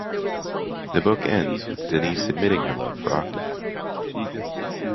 The book ends with Denise admitting her love for Octave.